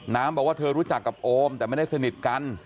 บอกว่าเธอรู้จักกับโอมแต่ไม่ได้สนิทกัน